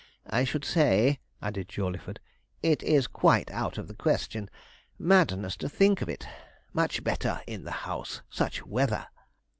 I should say,' added Jawleyford, 'it is quite out of the question madness to think of it; much better in the house, such weather.'